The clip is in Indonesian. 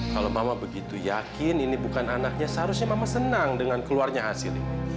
kalau mama begitu yakin ini bukan anaknya seharusnya mama senang dengan keluarnya hasil ini